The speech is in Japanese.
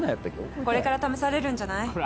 これから試されるんじゃない？